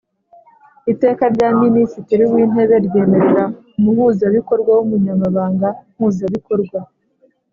Iteka rya Minisitiri w Intebe ryemerera Umuhuzabikorwa w Ubunyamabanga Mpuzabikorwa